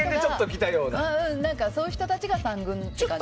そういう人たちが３軍って感じ。